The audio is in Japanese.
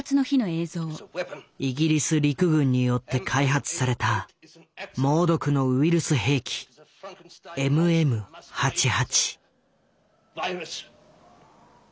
イギリス陸軍によって開発された猛毒のウイルス兵器「ＭＭー８８」。